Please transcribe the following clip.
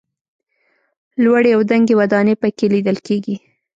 لوړې او دنګې ودانۍ په کې لیدل کېږي.